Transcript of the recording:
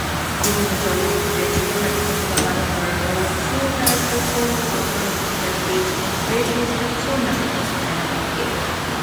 বিভিন্ন চলচ্চিত্রে ছোটোখাটো ভূমিকা পালন করার পর, চু তার প্রথম অগ্রণী ভূমিকাটি পেয়েছিলেন "গ্রেট মিঃ চৌ" নামে একটি ধারাবাহিকে।